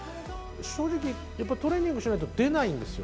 正直、やっぱりトレーニングしないと出ないんですよ。